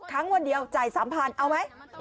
ครั้งวันเดียวจ่าย๓๐๐เอาไหม